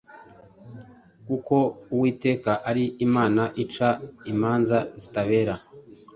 kuko Uwiteka ari Imana ica imanza zitabera.